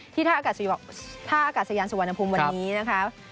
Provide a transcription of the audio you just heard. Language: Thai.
ท่าอากาศยานสุวรรณภูมิวันนี้นะคะ